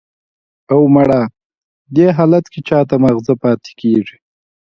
"اوه، مړه! دې حالت کې چا ته ماغزه پاتې کېږي!"